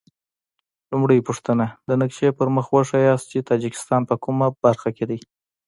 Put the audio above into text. لومړۍ پوښتنه: د نقشې پر مخ وښایاست چې تاجکستان په کومه برخه کې دی؟